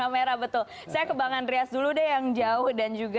merah betul saya ke bang andreas dulu deh yang jauh dan juga